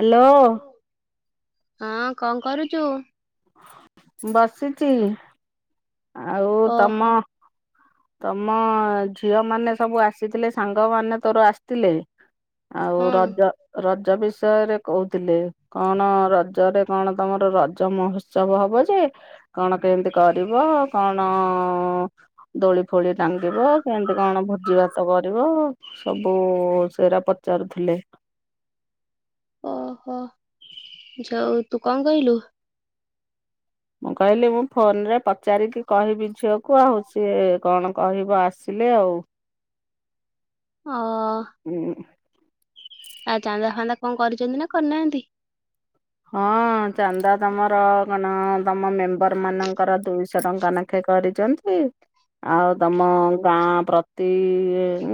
Hello ହଁ କଣ କରୁଚୁ। ବସିଚି। ଆଉ ଓ ତମ ତମ ଝିଅ ମାନେ ସବୁ ଆସିଥିଲେ ସାଙ୍ଗ ମାନ ତୋର ଆସିଥିଲେ। ଆଉ ହଁ ରଜ ରଜ ରଜ ବିଷୟରେ କହୁଥିଲେ କଣ ରଜରେ କଣ ତମର ରଜ ମହୋ ଉତ୍ସବ ହବ ଯେ କଣ କେମିତି କରିବ କଣ ଦୋଳି ଫୋଳି ଟାଙ୍ଗିବ କେମିତି କଣ ଭୋଜି ଭାତ କରିବ ସବୁ ସେରା ପଚାରୁଥିଲେ। ଓହୋ ଯୋଉ ତୁ କଣ କହିଲୁ? ମୁଁ କହିଲି ମୁଁ ଫୋନରେ ପଚାରିକି କହିବି ଝିଅକୁ ଆଉ ସିଏ କଣ କହିବ ଆସିଲେ ଆଉ। ଅ ହୁଁ। ଆଉ ଚାନ୍ଦା ଫାନ୍ଦା କଣ କରିଛନ୍ତି ନା କରିନାହାନ୍ତି। ହଁ ଚାନ୍ଦା ତମର [unintelligible] ତମ ମେମ୍ବର ମାନଙ୍କର ଦୁଇଶହ ଟଙ୍କା ନାଖେ କରିଛନ୍ତି ଆଉ ତମ ଗାଁ ପ୍ରତି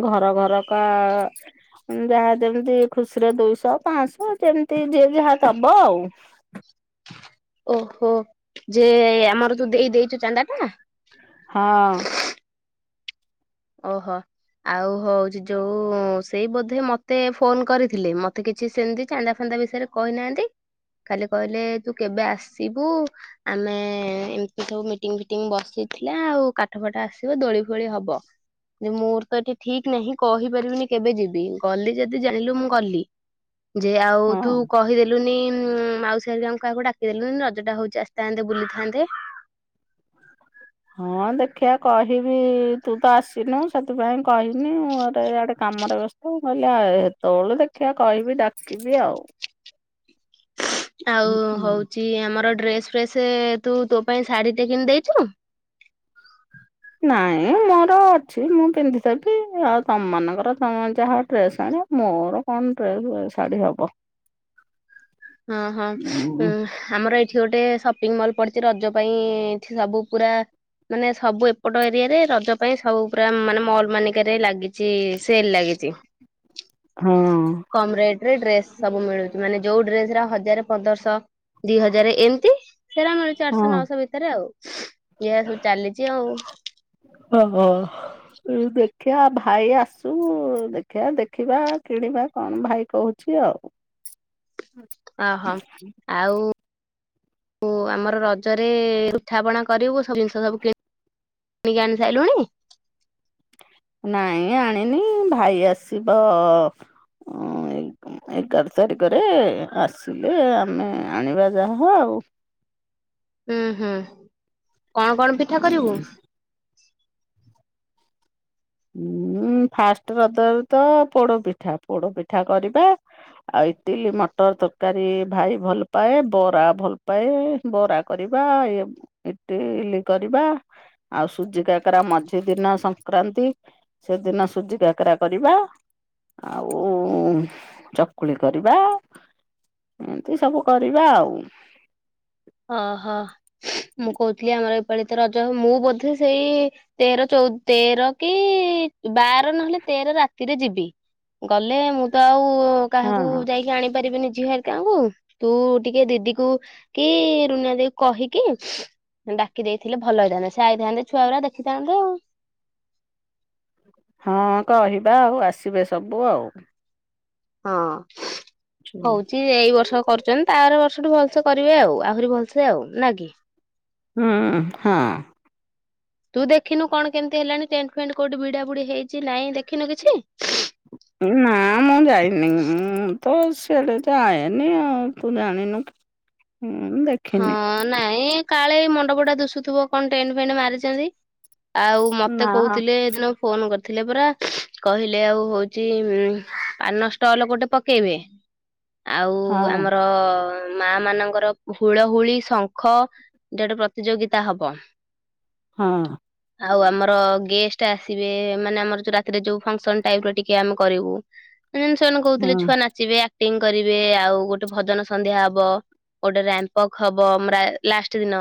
ଘର ଘରକା ଯାହା ଯେମତି ଖୁସିରେ ଦୁଇଶହ ପାଞ୍ଚଶହ ଯେମିତି ଯେ ଯାହା ଦବ। ବୋଉ। ଓହୋ ଯେ ଆମର ତୁ ଦେଇ ଦେଇଚୁ ଚାନ୍ଦା ଟା। ହଁ। ଓହୋ ଆଉ ହଉଛି ଯୋଉ ସେଇ ବୋଧେ ମତେ ଫୋନ କରିଥିଲେ ମତେ କିଛି ସେମିତି ଚାନ୍ଦା ଫାନ୍ଦା ବିଷୟରେ କହିନାହାନ୍ତି ଖାଲି କହିଲେ ତୁ କେବେ ଆସିବୁ ଆମେ ଏମତି ସବୁ ମିଟିଙ୍ଗ୍ ଫିଟିଙ୍ଗ ବସିଥିଲା ଆଉ କାଠ ଫାଠ ଆସିବ ଦୋଳି ଫୋଳି ହବ। ଯେ ମୋର ତ ଏଠି ଠିକ ନାହିଁ କହିପାରିବିନି କେବେ ଯିବି ଗଲି ଯଦି ଯାଇଁଲୁ ମୁଁ ଗଲି। ଯେ ଆଉ ହଁ ତୁ କହିଦେଲୁନି ହୁଁ ମାଉସୀ ହେରିକାଙ୍କୁ କାହାକୁ ଡାକିଦେଲୁନି ରଜଟା ହଉଛି ଆସିଥାନ୍ତେ ବୁଲିଥାନ୍ତେ। ହଁ ଦେଖିବା କହିବି ତୁ ତ ଆସିନୁ ସେଥିପାଇଁ କହିନି ମୋର ୟାଡେ କାମରେ ବ୍ୟସ୍ତ ନହେଲେ ଏ ଏତେଳୁ ଦେଖିବା କହିବି ଡାକିବି ଆଉ। ଆଉ ହୁଁ ହୁଁ। ହଉଚି ଆମର ଡ୍ରସ୍ ଫ୍ରେସ୍ ତୁ ତୋ ପାଇଁ ଶାଢୀ ଟେ କିଣି ଦେଇଚୁ। ନାଇଁ ମୋର ଅଛି ମୁଁ ପିନ୍ଧିଦେବି ଆଉ ତମମାନଙ୍କର ତମ ଯାହା ଡ୍ରେସ୍ ଆଣିବ ମୋର କଣ ଡ୍ରେସ୍ ଶାଢ଼ୀ ହବ ହଁ ହଁ ଉଁ ଆମର ଏ ଏଠି ଗୋଟେ ସପିଙ୍ଗ ମଲ୍ ପଡିଛି ରଜ ପାଇଁ ଏଠି ସବୁ ପୁରା ମାନେ ସବୁ ଏପଟ ଏରିଆରେ ରଜ ପାଇଁ ସବୁ ପୁରା ମାନେ ମଲ୍ ମାନକରେ ଲାଗିଚି ସେଲ ଲାଗିଚି। ହଁ। କମ୍ ରେଟ୍ ରେ ଡ୍ରେସ୍ ସବୁ ମିଳୁଛି ମାନେ ଯୋଉ ଡ୍ରେସ୍ ଯୁରା ହଜାର ପନ୍ଦରଶ ଦି ହଜାର ଏମତି ସେଟା ମିଳୁଛି ଆଠଶହ ହଁ। ନଅଶହ ଭିତରେ ଆଉ ୟେ ସବୁ ଚାଲିଛି ଆଉ। ଦେଖିଆ ଭାଇ ଆସୁ ଦେଖିଆ ଦେଖିବା କିଣିବା କଣ ଭାଇ କହୁଛି ଆଉ। ଓହୋ ଆଉ ଓ ଆମର ରଜରେ ପିଠା ପଣା କରିବୁ ସବୁ ଜିନିଷ ସବୁ କି କିଣିକି ଆଣି ସାରିଲୁଣି। ନାଇଁ ଆଣିନି ଭାଇ ଆସିବ ଉଁ ଏଗା ଏଗାର ତାରିଖରେ ଆସିଲେ ଆମେ ଆଣିବା ଯାହା ହଉ। ଉଁ ହୁଁ। କଣ କଣ ପିଠା କରିବୁ। ଚେ ହଁ ଫାଷ୍ଟ ରଜ ତ ପୋଡପିଠା ପୋଡ ପିଠା କରିବା ଆଉ ଇଟିଲି ମଟର ତରକାରୀ ଭାଇ ଭଲ ପାଏ ବରା ଭଲ ପାଏ ବରା କରିବା ଇ ଇଟିଲି କରିବା ଆଉ ସୁଜି କାକରା ମଝି ଦିନ ସଂକ୍ରାନ୍ତି ସେଦିନ ସୁଜି କାକରା କରିବା ଆଉ ଚକୁଳି କରିବା ଏମତି ସବୁ କରିବା ଆଉ। ଅ ହଁ। ମୁଁ କହୁଥିଲି ଆମର ଚଳିତ ରଜ ମୁଁ ବୋଧେ ସେଇ ତେର ଚଉ ତେର କି ବାର ନହେଲେ ତେର ରାତିରେ ଯିବି ଗଲେ ମୁଁ ତ ଆଉ। ମୁ କାହାକୁ ହଁ ଯାଇକି ଆଣିପାରିବିନି। ଝିଅ ଘରିକା ଙ୍କୁ ତୁ-ତୁ-ତୁ ଟିକେ ଦିଦି କୁ କି-କି-କି ରୁନିଆ ଦେଇ କହିକି ଡାକି ଦେଇଥିଲେ ଭଲ ହେଇଥାନ୍ତେ ସେ ଆଇଥାନ୍ତେ ଛୁଆ ଗୁରା ଦେଖିଥାନ୍ତେ ଆଉ। ହଁ କହିବା ଆଉ ଆସିବେ ସବୁ ଆଉ। ହଁ। ହଉଛି ଏଇ ବର୍ଷ କରୁଛନ୍ତି ତା ଆର ବର୍ଷ ସେଠୁ ଭଲସେ କରିବେ ଆଉ ଆହୁରି ଭଲସେ ଆଉ ନାକି। ହୁଁ ହଁ। ତୁ ଦେଖିନୁ କଣ କେମିତି ହେଲାଣି ଟେଣ୍ଟ ଫେଣ୍ଟ କୋଉଠି ଭିଡା ଭିଡି ହେଇଛି ନାଇଁ ଦେଖିନୁ କିଛି। ନା ମୁଁ ଯାଇନି ମୁଁ-ମୁଁ-ମୁଁ ତ ସିଆଡ଼େ ଯାଏନି ଆଉ ତୁ ଜାଣିନୁ କି। ମୁଁ ଦେଖିନି ହଁ-ହଁ-ହଁ ନାଇଁ-ଇଁ-ଇଁ କାଳେ ମ ଗୁଡ଼ା ଦୁଶୁଥିବ କଣ ଟେଣ୍ଟ ଫେଣ୍ଟ ମାରିଛନ୍ତି। ଆଉ ମତେ ନା କହୁଥିଲେ ଏ ଦିନ ଫୋନ କରି ଥିଲେ ପରା କହିଲେ ଆଉ ହଉଛି ଉମ ପାନ ଷ୍ଟଲ ଗୋଟେ ପକେଇବେ। ହଁ ଆଉ-ଉ-ଉ ଆମର-ର-ର। ମା ମାନଙ୍କର। ହୁଳହୁଳି ଶଙ୍ଖ ଯୋଡେ ପ୍ରତିଯୋଗିତା ହବ। ହଁ। ଆଉ ଆମର-ର-ର ଗେଷ୍ଟ ଆସିବେ ମାନେ ଆମର ଯୋଉ ରାତିରେ ଯୋଉ ଫଙ୍କସନ ଟାଇପ ର ଟିକେ ଆମେ କରିବୁ। ସେମାନେ ହଁ କହୁଥିଲେ ଛୁଆ ନାଚିବେ। ଟିଙ୍ଗ କରିବେ ଆଉ ଗୋଟେ ଭଜନ ସନ୍ଧ୍ୟା ହବ। ଗୋଟେ ରାମ୍ପ ୱାକ୍ ହବ ଅମ ରା ଲାଷ୍ଟ ଦିନ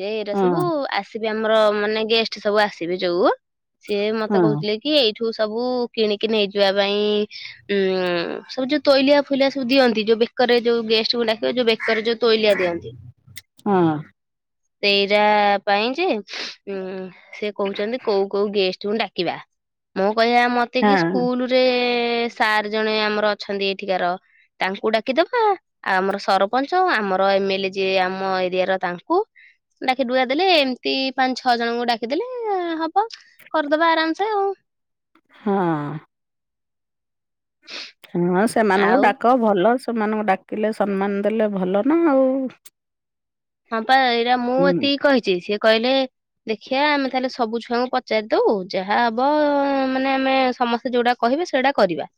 ଯେ ଏଇଟା ହଁ ସବୁ-ବୁ-ବୁ ଆସ ବି ଆମର ମାନେ ଗେଷ୍ଟ ସବୁ ଆସିବେ ଯୋଉ-ଉ-ଉ। ସିଏ ମତେ ହଁ କହୁଥିଲେ କି ଏଇ ଠୁ ସବୁ କିଣିକି ନେଇଯିବା ପାଇଁ-ଇଁ-ଇଁ ଉଁ ସବୁ ଯୋଉ ତୋଇଲିଆ ଫୋଇଲିଆ ସବୁ ଦିଅନ୍ତି ଯୋଉ ବେକରେ ଯୋଉ ଗେଷ୍ଟ ଙ୍କୁ ଡାକିବ ଯୋଉ ବେକ ବେକରେ ଯଉ ତୋଇଲିଆ ଦିଅନ୍ତି। ହଁ ସେଇରା-ରା-ରା ପାଇଁ ଯେ ଉଁ ସେ କହୁଛନ୍ତି କୋଉ କୋଉ ଗେଷ୍ଟକୁ ଡାକିବା ମୋ ଭଳିଆ ମୋତେ କି ହଁ ସ୍କୁଲୁରେ-ରେ-ରେ। ଏ ସାର୍ ଜଣେ ଆମର ଅଛନ୍ତି ଏଠିକାର ତାଙ୍କୁ ଡାକିଦବା ଆଉ ଆମର ସର ସରପଞ୍ଚ ଆମର ଏମ ଏଲ ଏ ଯିଏ ଆମ ଏରିଆ ର ତାଙ୍କୁ ଡାକି ଡୁକା ଦେଲେ ଏମିତି ପାଞ୍ଚ ଛଅ ଜଣଙ୍କୁ ଡାକିଦେଲେ-ଲେ-ଲେ ହବ। ହ କରିଦବା ଆରାମ ସେ ଆଉ। ହଁ। ହଁ ସେମାନଙ୍କୁ ଆଉ ଡାକ ଭଲ। ସେମାନଙ୍କୁ ଡାକିଲେ ସମ୍ମାନ ଦେଲେ ଭଲ ନା ଆଉ। ହଁ ପା ଏଇଟା ମୁଁ ହୁଁ। ଏତିକି କହିଛି ସିଏ କହିଲେ ଦେଖିବା ଆମେ ତାହେଲେ ସବୁ ଛୁଆଙ୍କୁ ପ ପଚାରି ଦଉ ଯାହା ହବ-ବ-ବ ମାନେ ଆମେ ସମସ୍ତେ ଯୋଉଟା କହିବେ ସେଇଟା କରିବା।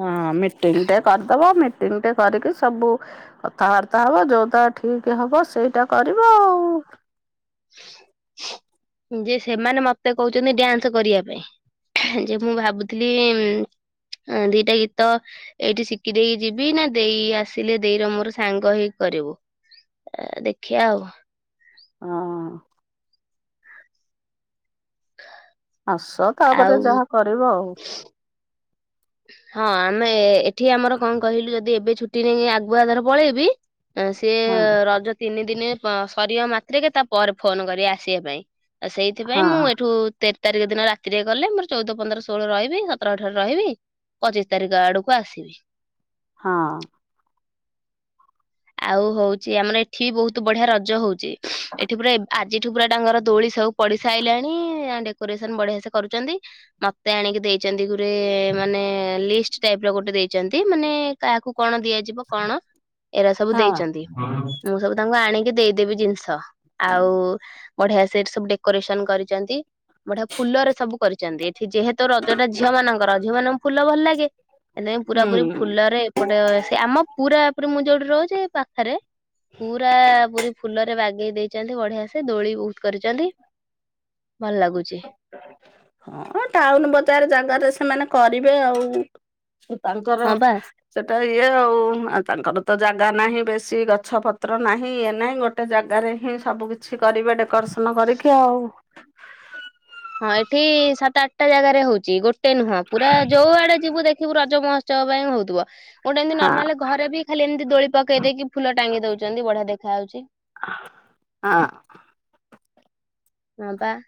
ହଁ ମିଟିଙ୍ଗ ଟେ କରିଦବ ମିଟିଙ୍ଗଟେ କରିକି ସବୁ କଥାବାର୍ତ୍ତା ହବ ଯୋଉଟା ଠିକ ହବ ସେଇଟା କରିବା ଆଉ। ଯେ ସେମାନେ ମତେ କହୁଛନ୍ତି ଡ୍ୟାନ୍ସ କରିବା ପାଇଁ ଯେ ମୁଁ ଭାବୁଥିଲି ଉମ ଦିଟା ଗୀତ ଏଇଠି ଶିଖି ଦେଇକି ଯିବି ନା ଦେଇ ଆସିଲେ ଦେଇ ର ମୋର ସାଙ୍ଗ ହେଇକି କରିବୁ ଏ ଦେଖିବା ଆଉ। ହଁ। ଆସ ତାପରେ ଆଉ ଯାହା କରିବ ଆଉ ହଁ ଆମେ ଏଠି ଆମର କଣ କହିଲୁ ଯଦି ଏବେ ଛୁଟି ନେଇକି ଆଗୁଆଧର ପଳେଇ ବି ସିଏ ହଁ ରଜ ତିନି ଦିନେ ସରିିବା ମା ଟିକେ ତା ପରେ ଫୋନ କରି ଆସିବା ପାଇଁ ଆ ସେଇଥିପାଇଁ ହଁ ମୁଁ ଏଠୁ ତାରିଖ ଦିନ ରାତିରେ ଗଲେ ମୋର ଚଉଦ ପନ୍ଦର ଷୋହଳ ରହିବି ସତରଠାରେ ରହିବି ପଚିଶ ତାରିଖ ଆଡକୁ ଆସିବି ହଁ ଆଉ ହଉଛି ଆମର ଏଠି ବି ବହୁତ ବଢିଆ ରଜ ହଉଛି ଏଠି ପୁରା ଆଜି ଛୁକୁା ଟାଙ୍ଗର ଦୋଳି ସବୁ ପଡି ସାରିଲଣି ଡେକୋରେସନ ବଢିଆ ସେ କରୁଛନ୍ତି ନତେ ଆଣିକି ଦେଇଛନ୍ତି ଗ ମାନେ ଲିଷ୍ଟ ଟାଇପ ର ଗୋଟେ ଦେଇଛନ୍ତି ମାନେ କାହାକୁ କଣ ଦିଆଯିବ କଣ ଏରା ସବୁ ହଁ ଦେଇଛନ୍ତି ମୁଁ ସବୁ ତାଙ୍କୁ ଆଣି ଟିକ ଦେଇଦେବି ଜିନିଷ ଆଉ ବଢିଆ ସେଠି ସବୁ ଡେକୋରେସନ କରିଛନ୍ତି ବଢିଆ ଫୁଲରେ ସବୁ କରିଛନ୍ତି ଏଠି ଯେହେତୁ ରଜଟା ଝିଅ ମାନଙ୍କର ରଜ ଝିଅ ମାନଙ୍କୁ ଫୁଲ ଭଲ ଲାଗେ ସେଥିପାଇଁ ପୁରା ପୁରୀ ହୁଁ। ଫୁଲରେ ଏପଟେ ସେ ଆମ ପୁରା ମୁଁ ଯୋଉଠି ରହୁଛି ପାଖରେ ପୁରା ପୁରୀ ଫୁଲରେ ବାଗ ଲଗେଇ ଦେଇଛନ୍ତି ବଢିଆ ସେ ଦୋଳି ବହୁତ କରିଛନ୍ତି ଭଲ ଲାଗୁଛି। ହଁ ଟାଉନ ବଜାର ଜାଗାରେ ସେମାନେ କରିବେ ଆଉ ତାଙ୍କର ହଁ ବା ସେ ଏଇ ତ ଇଏ ଆଉ ତାଙ୍କର ତ ଜାଗା ନାହିଁ ବେଶୀ ଗଛପତ୍ର ନାହିଁ ଇଏ ନାହିଁ ଗୋଟେ ଜାଗାରେ ହିଁ ସବୁ କିିଛି କରିବେ ଡେକୋରେସନ୍ ପ୍ରତ୍ନ କରିକି ଆଉ ହଁ ଏଠି ସାତ ଆଠଟା ଜାଗାରେ ହଉଛି ଗୋଟେ ଗୋେ ନୁହଁ ପୁରାୋଉ ଆଡେ ଯିବୁ ଦେଖ ବୁ ରଜ ମହୋତ୍ସବ ପାଇଁ ହଉଥିବ ହଁ ଗୋଟେମାଲ ଘରେ ବି ଖାଲି ଏମିତି ଦୋଳି ପକେଇ ଦେଇକି ଫୁଲ ଟାଙ୍ଗି ଦଉଛନ୍ତି ବଢିଆ ଦେଖାାଯାଉଛି। ହଁ ହଁ ପା -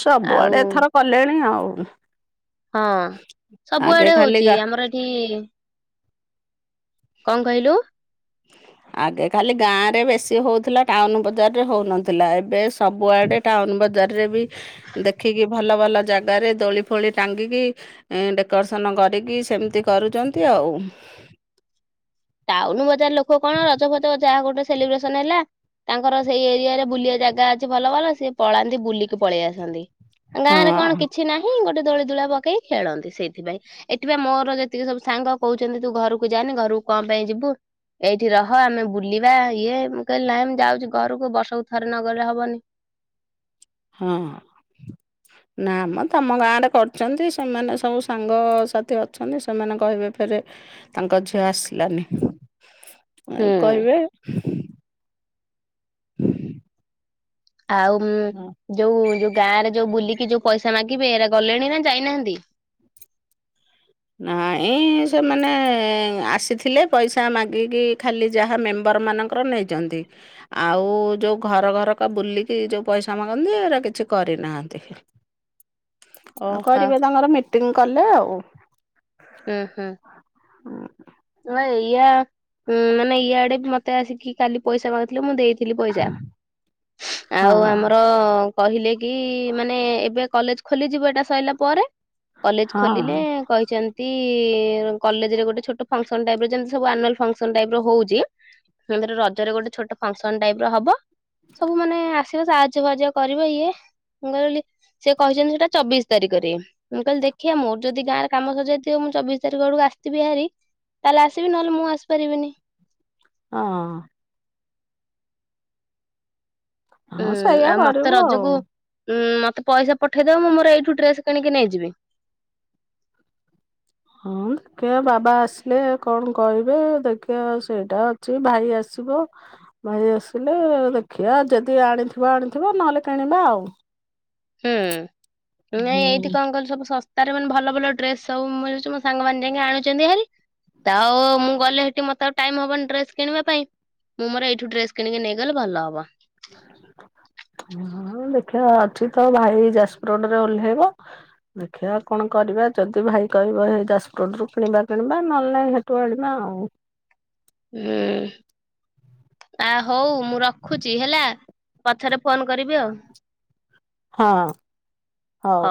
ହ ସବୁଆଡେ ଏଥର କଲେଣି ଆଉ ହ ହଁ ସବୁଆଡେ ହଉଛି ଗା ଆମର ଏଠି କଣ କହିଲୁ ଆଗେ ଖାଲି ଗାଁରେ ବେଶୀ ହଉଥିଲା ଟାଉନ ବଜାରରେ ହଉନଥିଲା ଏବେ ସବୁଆଡେ ଟାଉନ ବଜାରରେ ବି ଦେଖିକି ଭଲ ଭଲ ଜାଗାରେ ଦୋଳି ଫୋଳି ଟାଙ୍ଗିକି ଡେକୋରେସନ କରିକି ସେମିତି କରୁଛନ୍ତି ଆଉ ଟାଉନ ବଜାର ଲୋକ କଣ ରଜ ଫଜ ଯାହା ଗୋଟେ ସେଲିବ୍ରେସନ ହେଲା ତାଙ୍କର ସେଇ ଏରିଆରେ ବୁଲିବା ଜାଗା ଅଛି ଭଲ ଭଲ ସିଏ ପଳାନ୍ତି ବୁଲିକି ପଳେଇ ଆସନ୍ତି। ଗାଁ ହଁ ରେ କଣ କିଛି ନାହିଁ ଗୋଟେ ଦୋଳି ଦୋଳା ପକେଇ ଖେଳନ୍ତି ସେଇଥିପାଇଁ ଏଠିବା ମୋର ଯେତିକି ସବୁ ସାଙ୍ଗ କହୁଛନ୍ତି ତୁ ଘରକୁ ଯାନି ଘରକୁ କଣ ପାଇଁ ଯିବୁ ଏଇଠି ରହ ଆମେ ବୁଲିବା ଇଏ ମୁଁ କହିଲି ନାହିଁ ମୁଁ ଯାଉଛି ଘରକୁ ବର୍ଷକୁ ଥରେ ନଗଲେ ହବନି। ହଁ ନା ମ ତମ ଗାଁ ରେ କରିଛନ୍ତି ସେମାନେ ସବୁ ସାଙ୍ଗସାଥି ଅଛନ୍ତି ସେମାନେ କହିବେ ଫେରେ ତାଙ୍କ ଝିଅ ଆସିଲାନି। ଆଉ ହୁଁ କହିବେ। [inaudible] ଆଉ ଯୋଉ ଯୋଉ ଗାଁରେ ଯୋଉ ବୁଲିକି ଯୋଉ ପଇସା ମାଗିବେ ଏରା ଗଲେଣି ନା ଯାଇନାହାନ୍ତି? ନାଇଁ ସେମାନେ ଆସିଥିଲେ ପଇସା ମାଗିକି ଖାଲି ଯାହା ମେମ୍ବର ମାନଙ୍କର ନେଇଛନ୍ତି ଆଉ ଯୋଉ ଘର ଘରକା ବୁଲିକି ଯଉ ପଇସା ମାଗନ୍ତି ଏରା କିଛି କରିନାହାନ୍ତି। ଆଉ ଓହୋ। କରିବେ ତମର ମି ମିଟିଂ କଲେ ଆଉ। ହୁଁ ହୁଁ ନା ଏୟା ଉଁ ମାନେ ଇଆଡେ ବି ମତେ ଆସିକି କାଲି ପଇସା ମାଗୁଥିଲେ ମୁଁ ଦେଇ ଥିଲି ପଇସା ହଁ ଆଉ ଆମର କହିଲେ କି ମାନେ ଏବେ କଲେଜ ଖୋଲିଯିବ ଏଇଟା ସଇଲା ପରେ। କଲେଜ ହଁ ଖୋଲିଲେ କହିଛନ୍ତି [unintelligible] କଲେଜରେ ଗୋଟେ ଛୋଟ ଫଙ୍କସନ୍ ଟାଇପର ଯେମିତି ସବୁ ଆନୁଆଲ ଫଙ୍କସନ ଟାଇପ ର ହଉଛି ରଜରେ ଗୋଟେ ଛୋଟ ଫଙ୍କସନ ଟାଇପ ର ହବ ସବୁ ମାନେ ଆସିବ ସାହାଯ୍ୟ ସାହାଯ୍ୟ କରିବ ଇଏ ମୁଁ କହିଲି ସେ କହିଛନ୍ତି ସେଟା ଚବିଶ ତାରିଖରେ ମୁଁ କହିଲି ଦେଖିଆ ମୋର ଯଦି ଗାଁରେ କାମ ସରି ଯାଇଥି ମୁଁ ଚବିଶ ତାରିଖ ବେଳକୁ ଆସିଥିବି ହାରି ତାହେଲେ ଆସିବି ନହେଲେ ମୁଁ ଆସିପାରିବିନି। ହଁ। ହଁ ଉଁ ସେଇଆ ଆଉ ମତେ କରିବୁ ଆଉ। ରଜକୁ ଉଁ ମତେ ପଇସା ପଠେଇଦବ ମୁଁ ମୋର ଏଇଠୁ ଡ୍ରେସ କିଣିକି ନେଇଯିବି। ହଁ ଦେଖିବା ବାବା ଆସିଲେ କଣ କହିବେ ଦେଖିବା ସେଇଟା ଅଛି ଭାଇ ଆସିବ ଭାଇ ଆସିଲେ ଦେଖିବା ଯଦି ଆଣିଥିବ ଆଣିଥିବ ନହେଲେ କିଣିବା ଆଉ। ହୁଁ ନାଇଁ ଏଇଠି ହୁଁ କଣ କହିଲ ସବୁ ଶସ୍ ତାର ମାନେ ଭଲ ଭଲ ଡ୍ରେସ ସବୁ ମିଳୁଛି ମୋ ସାଙ୍ଗମାନେ ଯାଇକି ଆଣୁଛନ୍ତି ହେରି। ତ ଆଉ ମୁଁ ଗଲେ ମତେ ଆଉ ଟାଇମ ହବନି ଡ୍ରେସ କିଣିବା ପାଇଁ ମୁଁ ମୋର ଏଇଠୁ ଡ୍ରେସ କିଣିକି ନେଇଗଲେ ଭଲ ହବ। ହଁ ଦେଖିବା ଅଛି ତ ଭାଇ ଯାଜପୁର ରୋଡରେ ଓହ୍ଲେଇବ ଦେଖିବା କଣ କରିବା ଯଦି ଭାଇ କହିବ ଯାଜପୁର ରୁ କିଣିବା କିଣିବା ନହେଲେ ନାହିଁ ସେଠୁ ଆଣିବା ଆଉ। ହୁଁ ଆ ହଉ। ମୁଁ ରଖୁଛି ହେଲା। ପଛରେ ଫୋନ କରିବି ଆଉ। ହଁ ହଉ।